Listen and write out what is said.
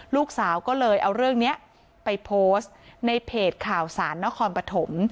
ลูกสาวก็เลยเอาเรื่องนี้ไปโพสต์ในเพจข่าวสารนครปฐม